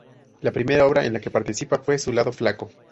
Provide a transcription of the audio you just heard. La primera obra en la que participa fue "Su lado flaco".